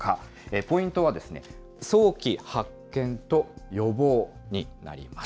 ポイントは、早期発見と予防になります。